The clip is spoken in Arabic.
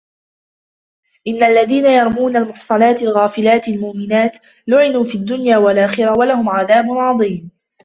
إن الذين يرمون المحصنات الغافلات المؤمنات لعنوا في الدنيا والآخرة ولهم عذاب عظيم